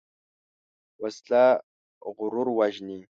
وسله غرور وژني